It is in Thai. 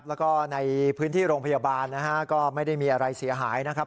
แล้วก็ในพื้นที่โรงพยาบาลนะฮะก็ไม่ได้มีอะไรเสียหายนะครับ